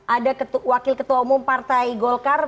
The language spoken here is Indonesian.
ada wakil ketua umum partai golkar